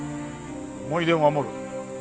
思い出を守る？